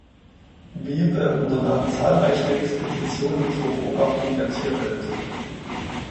Beebe unternahm zahlreiche Expeditionen zur Beobachtung der Tierwelt.